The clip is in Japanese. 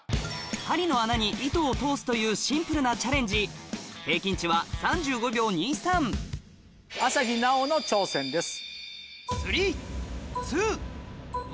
針の穴に糸を通すというシンプルなチャレンジ朝日奈央の挑戦です。